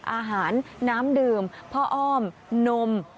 อาหารน้ำดื่มพ่ออ้อมนม